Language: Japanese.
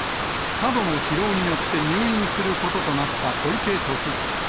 過度の疲労によって入院することとなった小池都知事。